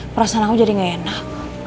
perasaan aku jadi gak enak